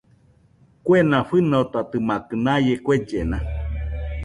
Kuena fɨnotatɨmakɨ naie kuellena